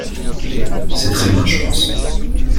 C’est très bien, je pense.